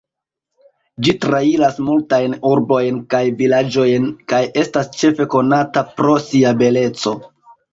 Ĝi trairas multajn urbojn kaj vilaĝojn kaj estas ĉefe konata pro sia beleco.